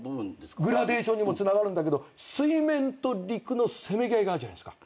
グラデーションにもつながるんだけど水面と陸のせめぎ合いがあるじゃないですか。